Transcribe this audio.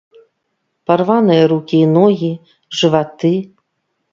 Парваныя рукі і ногі, жываты.